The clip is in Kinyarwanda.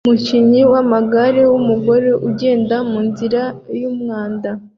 Umukinnyi wamagare wumugore ugenda munzira yumwanda